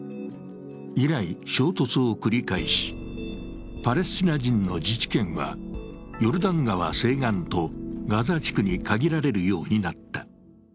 以来、衝突を繰り返し、パレスチナ人の自治権はヨルダン川西岸とガザ地区に限られるようになった。